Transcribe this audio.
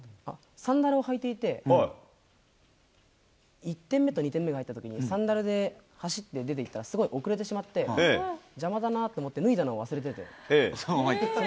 サンダルを履いていて、１点目と２点目が入ったときに、サンダルで走って出ていったらすごい遅れてしまって、邪魔だなと思って脱いだのを忘れてて。